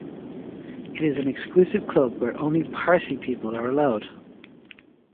It is an exclusive club where only Parsi people are allowed.